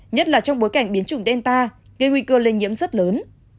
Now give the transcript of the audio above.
nhất là trong bối cảnh biến chủng delta gây nguy cơ lây nhiễm rất lớn